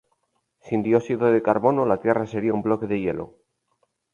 Sin dióxido de carbono, la Tierra sería un bloque de hielo.